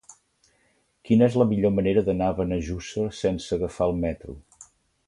Quina és la millor manera d'anar a Benejússer sense agafar el metro?